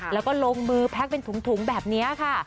แล้วก็ลงมือแพ็คเป็นถุงแบบนี้ค่ะ